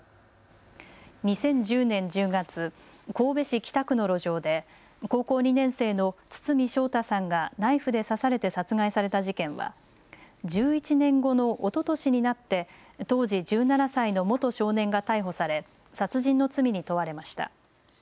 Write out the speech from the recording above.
２０１０年１０月、神戸市北区の路上で高校２年生の堤将太さんがナイフで刺されて殺害された事件は１１年後のおととしになって当時１７歳の元少年が逮捕され殺人の罪に問われました。